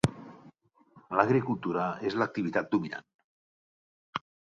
L'agricultura és l'activitat dominant.